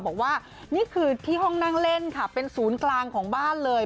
บอกว่านี่คือที่ห้องนั่งเล่นค่ะเป็นศูนย์กลางของบ้านเลย